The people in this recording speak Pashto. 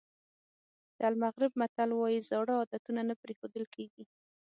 د المغرب متل وایي زاړه عادتونه نه پرېښودل کېږي.